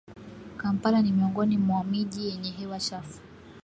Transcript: Kampala ni miongoni mwa miji yenye hewa chafu